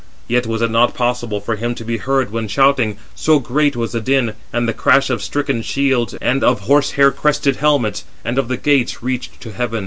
Yet was it not possible for him to be heard when shouting, so great was the din; and the crash of stricken shields, and of horse hair crested helmets, and of the gates, reached to heaven.